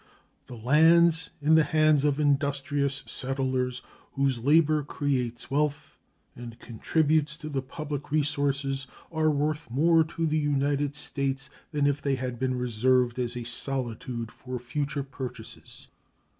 The lands in the hands of industrious settlers, whose labor creates wealth and contributes to the public resources, are worth more to the United States than if they had been reserved as a solitude for future purchasers.